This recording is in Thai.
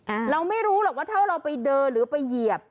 เราไม่รู้หรอกว่าถ้าเราไปเดินหรือไปเหยียบ